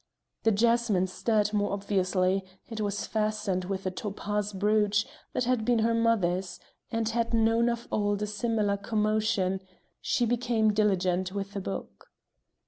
The jasmine stirred more obviously: it was fastened with a topaz brooch that had been her mother's, and had known of old a similar commotion; she became diligent with a book.